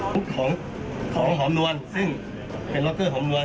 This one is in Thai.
มุขของหอมรวรซึ่งเป็นล็อเกอร์หอมรวร